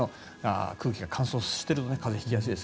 空気が乾燥していると風邪をひきやすいです。